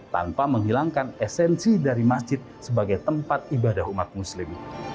tanpa menghilangkan esensi dari masjid sebagai tempat ibadah umat muslim